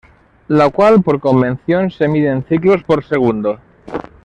La cual por convención se mide en ciclos por segundo.